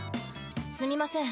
すみません